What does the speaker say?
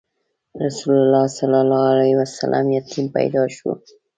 رسول الله ﷺ یتیم پیدا شو.